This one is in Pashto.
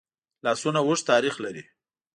لاسونه اوږد تاریخ لري